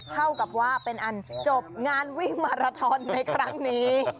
เท่ากับว่าเป็นอันจบงานวิ่งมาราทอนในครั้งนี้